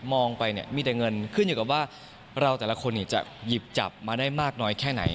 มองไปเนี่ยมีแต่เงินขึ้นอยู่กับว่าเราแต่ละคนจะหยิบจับมาได้มากน้อยแค่ไหน